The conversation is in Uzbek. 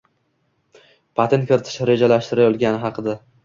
patent kiritilishi rejalashtirilayotgani haqida